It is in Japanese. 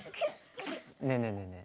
ねえねえねえねえ。